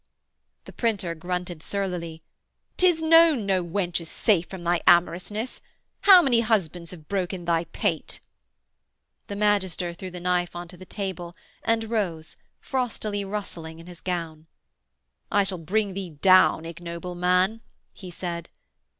The printer grunted surlily: ''Tis known no wench is safe from thy amorousness. How many husbands have broken thy pate?' The magister threw the knife on to the table and rose, frostily rustling in his gown. 'I shall bring thee down, ignoble man,' he said.